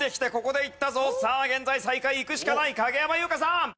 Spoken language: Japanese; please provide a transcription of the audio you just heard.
さあ現在最下位いくしかない影山優佳さん！